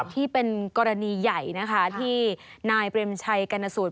ที่เป็นกรณีใหญ่นะคะที่นายเปรมชัยกรณสูตร